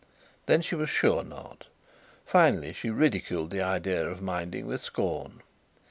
Then she was sure not. Finally she ridiculed the idea of minding with scorn.